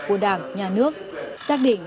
của đảng nhà nước xác định